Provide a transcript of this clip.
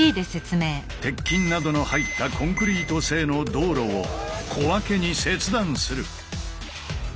鉄筋などの入ったコンクリート製の道路を小分けに切断する。